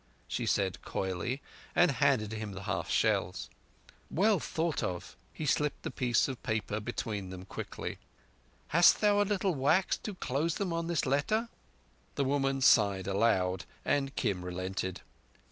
she said coyly, and handed him the half shells. "Well thought of." He slipped the piece of paper between them quickly. "Hast thou a little wax to close them on this letter?" The woman sighed aloud, and Kim relented.